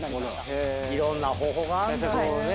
いろんな方法があんだね。